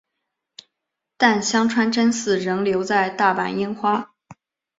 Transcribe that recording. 但香川真司仍留在大阪樱花。